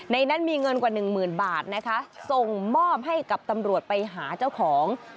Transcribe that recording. ในนั้นมีเงินกว่า๑๐๐๐๐บาทส่งมอบให้กับตำรวจไปหาเจ้าของ